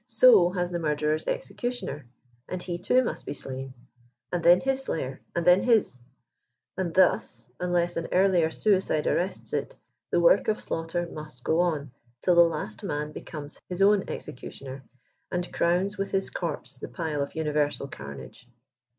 So has the murderer's executioner, and he too must be slain, and then his slayer, and then his ; and thus, un * less an earlier suicide arrests it, the work of slaughter must go on, till the last man becomes his owif executioner, and crowns with his corpse the pile of universal carnage.